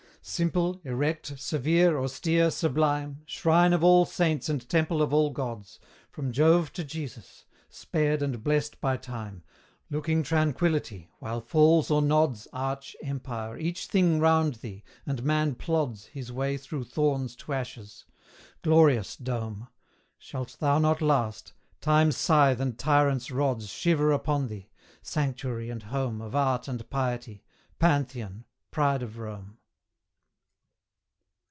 Simple, erect, severe, austere, sublime Shrine of all saints and temple of all gods, From Jove to Jesus spared and blest by time; Looking tranquillity, while falls or nods Arch, empire, each thing round thee, and man plods His way through thorns to ashes glorious dome! Shalt thou not last? Time's scythe and tyrants' rods Shiver upon thee sanctuary and home Of art and piety Pantheon! pride of Rome!